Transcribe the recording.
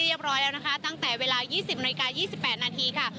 เรียบร้อยแล้วนะคะตั้งแต่เวลายี่สิบนาที่การยี่สิบแปดนาทีค่ะ